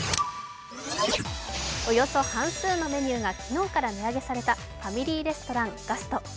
およそ半数のメニューが昨日から値上げされたファミリーレストラン・ガスト。